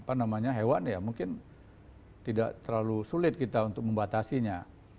atau ditularkan oleh hewan mungkin tidak terlalu sulit kita untuk membatasinya